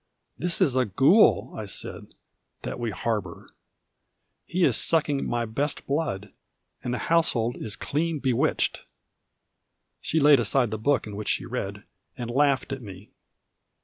"This is a ghoul," I said, "that we harbour: he is sucking my best blood, and the household is clean bewitched." She laid aside the book in which she read, and laughed at me.